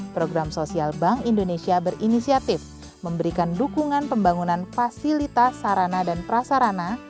program sosial bank indonesia berinisiatif memberikan dukungan pembangunan fasilitas sarana dan prasarana